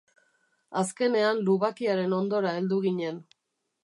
Azkenean lubakiaren hondora heldu ginen.